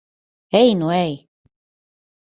Ej nu ej!